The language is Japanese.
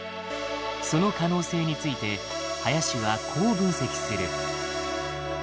その可能性について林はこう分析する。